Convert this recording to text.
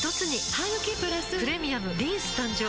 ハグキプラス「プレミアムリンス」誕生